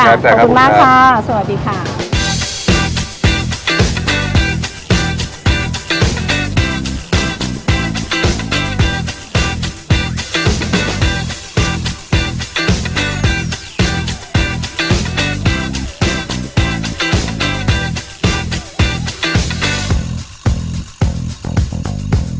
ขอบคุณมากค่ะสวัสดีค่ะ